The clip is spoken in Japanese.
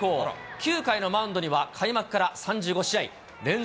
９回のマウンドには開幕から３５試合連続